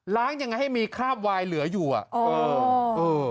ล้างยังไงให้มีคราบวายเหลืออยู่